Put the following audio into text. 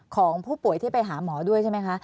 ของผู้ป่วยที่ไปหาหมอด้วยใช่ไหมคะ